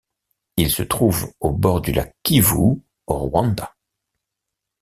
Il se trouve au bord du Lac Kivu au Rwanda.